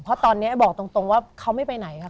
เพราะตอนนี้บอกตรงว่าเขาไม่ไปไหนค่ะ